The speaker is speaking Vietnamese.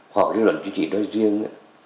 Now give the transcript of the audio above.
khoa học lý luận chính trị nói riêng